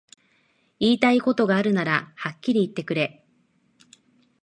言いたいことがあるならはっきり言ってくれ